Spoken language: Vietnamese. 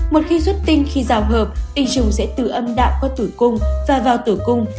một khi xuất tinh khi rào hợp y trùng sẽ từ âm đạo qua tử cung và vào tử cung